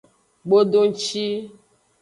Gbodongci.